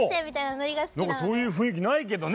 何かそういう雰囲気ないけどね。